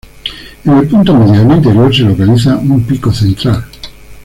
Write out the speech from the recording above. En el punto medio del interior se localiza un pico central.